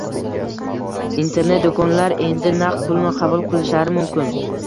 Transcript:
Internet -do'konlar endi naqd pulni qabul qilishlari mumkin